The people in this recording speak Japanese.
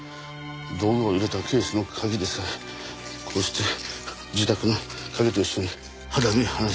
道具を入れたケースの鍵でさえこうして自宅の鍵と一緒に肌身離さず。